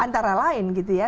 antara lain gitu ya